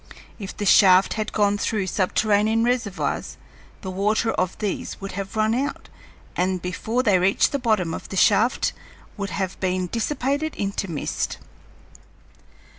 If the shaft had gone through subterranean reservoirs, the water of these would have run out, and before they reached the bottom of the shaft would have dissipated into mist.